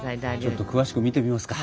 ちょっと詳しく見てみますか。